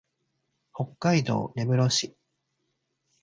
北海道根室市